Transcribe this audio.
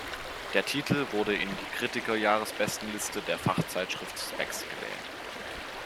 Der Titel wurde in die Kritiker-Jahresbestenliste der Fachzeitschrift Spex gewählt.